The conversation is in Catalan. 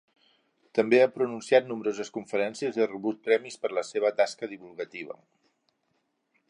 També ha pronunciat nombroses conferències i ha rebut premis per la seva tasca divulgativa.